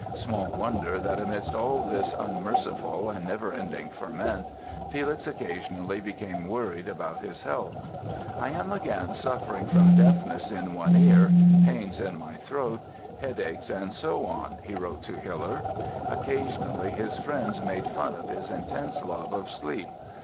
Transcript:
Small wonder that, amidst all this unmerciful and never ending ferment Felix occasionally became worried about his health. "I am again suffering from deafness in one ear, pains in my throat, headaches and so on", he wrote to Hiller. Occasionally his friends made fun of his intense love of sleep.